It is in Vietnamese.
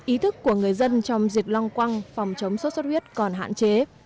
ý thức của người dân trong diệt long quăng phòng chống sốt xuất huyết còn hạn chế